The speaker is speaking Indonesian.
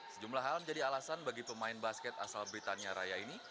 sejumlah hal menjadi alasan bagi pemain basket asal britania raya ini